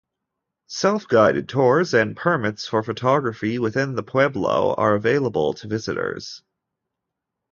Self-guided tours and permits for photography within the pueblo are available to visitors.